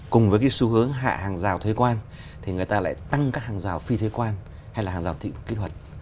cùng với xu hướng hạ hàng rào thuê quan người ta lại tăng các hàng rào phi thuê quan hay là hàng rào kỹ thuật